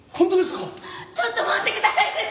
ちょっと待ってください先生！